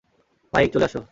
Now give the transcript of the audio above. Mic, চলে আসো।